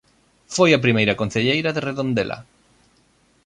Foi a primeira concelleira de Redondela.